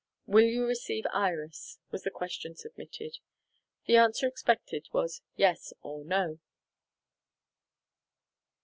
Will you receive Iris? was the question submitted. The answer expected was: Yes or No.